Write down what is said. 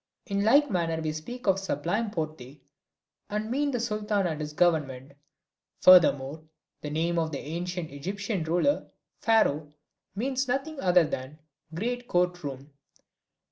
In like manner we speak of the Sublime Porte, and mean the Sultan and his government; furthermore, the name of the ancient Egyptian ruler, Pharaoh, means nothing other than "great court room."